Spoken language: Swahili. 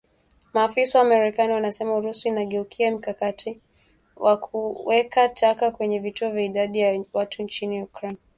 Maafisa wa marekani wanasema Urusi inageukia mkakati wa kuweka taka kwenye vituo vya idadi ya watu nchini Ukraine